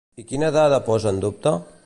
I quina dada posa en dubte?